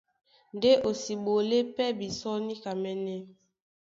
Ndé o si ɓolé pɛ́ bisɔ́ níkamɛ́nɛ́.